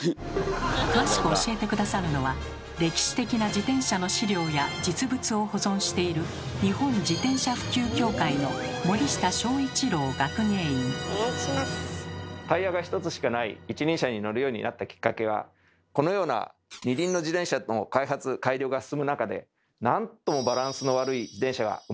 詳しく教えて下さるのは歴史的な自転車の資料や実物を保存している日本自転車普及協会のタイヤが１つしかない一輪車に乗るようになったきっかけはこのような二輪の自転車の開発改良が進む中でなんともバランスの悪い自転車が生まれたからなんです。